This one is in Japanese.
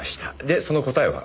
でその答えは？